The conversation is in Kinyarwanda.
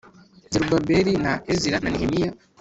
zerubabeli na ezira na nehemiya